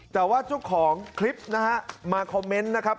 แต่ว่าเจ้าของคลิปนะฮะมาคอมเมนต์นะครับ